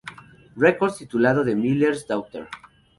Records titulado "The Miller's Daughter".